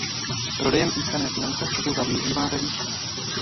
Prodejem získané finance fakulta využívá ve výzkumu.